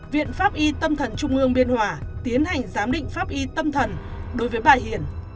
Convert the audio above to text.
viện pháp y tâm thần trung ương biên hòa tiến hành giám định pháp y tâm thần đối với bà hiền